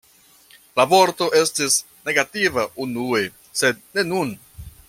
La vorto estis negativa unue, sed ne nun.